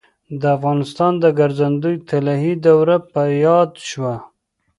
د افغانستان د ګرځندوی طلایي دوره په یاد شوه.